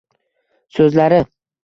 so’zlari.